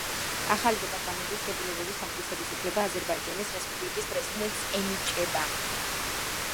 ახალი დეპარტამენტის დებულების დამტკიცების უფლება აზერბაიჯანის რესპუბლიკის პრეზიდენტს ენიჭება.